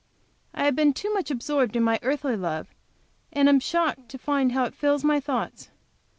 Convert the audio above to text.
I have been too much absorbed in my earthly love, and am shocked to find how it fills my thoughts.